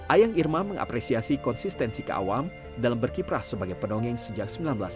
ayang irma mengapresiasi konsistensi kak awam dalam berkiprah sebagai pendongeng sejak seribu sembilan ratus sembilan puluh sembilan